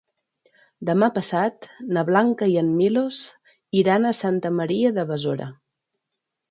Demà passat na Blanca i en Milos iran a Santa Maria de Besora.